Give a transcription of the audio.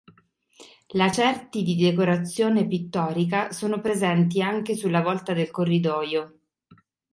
Lacerti di decorazione pittorica sono presenti anche sulla volta del corridoio.